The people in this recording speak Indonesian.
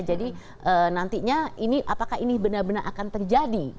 jadi nantinya apakah ini benar benar akan terjadi